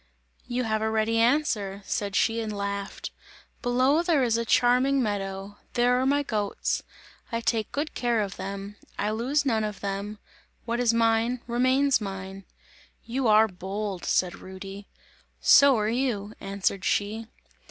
"You have a ready answer," said she and laughed; "below there is a charming meadow! There are my goats! I take good care of them! I lose none of them, what is mine, remains mine!" "You are bold!" said Rudy. "So are you!" answered she.